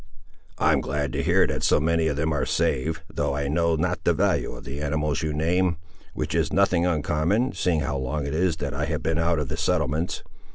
"I am glad to hear that so many of them are saved, though I know not the value of the animals you name; which is nothing uncommon, seeing how long it is that I have been out of the settlements.